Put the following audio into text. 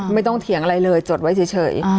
ไม่ต้องเถียงอะไรเลยจดไว้เฉย